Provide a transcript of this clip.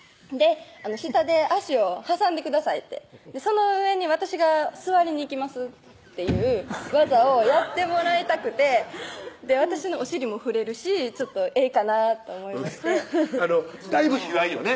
「下で脚を挟んでください」って「その上に私が座りに行きます」っていう技をやってもらいたくて私のお尻も触れるしええかなと思いましてだいぶ卑猥よね